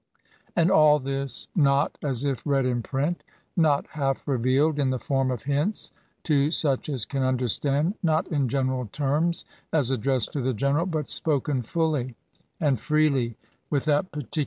And aU this not as if read in print, — ^not half revealed, in the form of liints to such as can understand,— ^ not in general terms, as addressed to the general, — ^but spoken fully and freely, with that particu 212 B8SAT8.